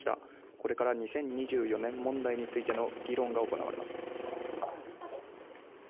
これから２０２４年問題についての議論が行われます。